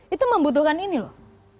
itu membutuhkan ini loh